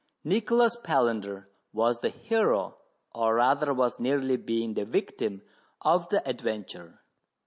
Nicholas Palander was the hero, or rather was nearly being the victim, of the adventure.